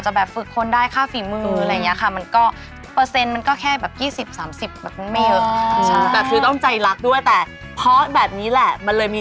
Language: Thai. ชิ้นอาจจะได้กระมาณ๓๐เปอร์เซ็นต์แต่ลูกค้าเข้ามาเยอะ